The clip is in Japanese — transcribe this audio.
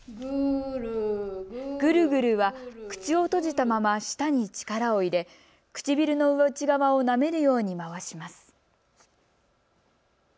ぐるぐるは、口を閉じたまま舌に力を入れ、唇の内側をなめるように回します。